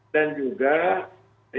dan juga informasi